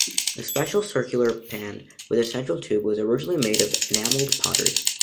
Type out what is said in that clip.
The special circular pan with a central tube was originally made of enameled pottery.